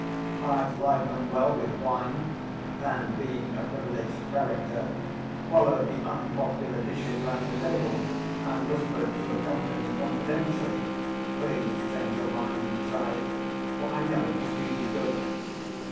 I plied them well with wine; and being a privileged character, followed the unpopular dishes round the table, and whispered to the company confidentially, "Please to change your mind and try it; for I know it will do you good."